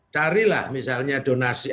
carilah misalnya donasi